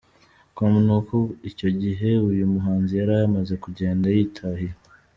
com ni uko icyo gihe uyu muhanzi yari yamaze kugenda yitahiye.